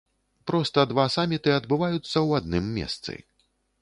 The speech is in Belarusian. Проста два саміты адбываюцца ў адным месцы.